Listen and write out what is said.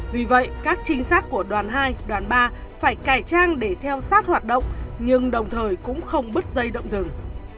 vì vậy các trinh sát của đoàn hai đoàn ba phải cải trang để theo sát hoạt động nhưng đồng thời cũng không đứt dây động rừng